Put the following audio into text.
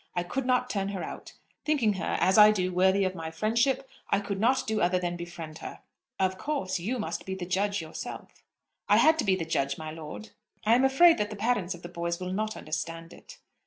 I could not turn her out. Thinking her, as I do, worthy of my friendship, I could not do other than befriend her." "Of course you must be the judge yourself." "I had to be the judge, my lord." "I am afraid that the parents of the boys will not understand it."